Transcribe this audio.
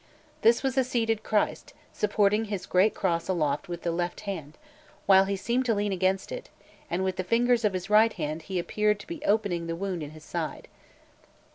This was a seated Christ, supporting his great cross aloft with the left hand, while he seemed to lean against it, and with the fingers of his right hand he appeared to be opening the wound in his side.